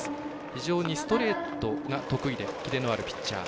非常にストレートが得意でキレのあるピッチャー。